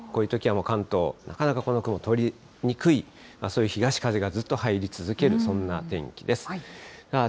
ですからこういうときは関東、なかなかこの雲、取りにくい、そういう東風がずっと入り続ける、そんな天気です。